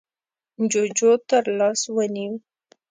جُوجُو تر لاس ونيو: